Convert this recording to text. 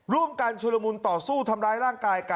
ร่วมกันชุลมุนต่อสู้ทำร้ายร่างกายกัน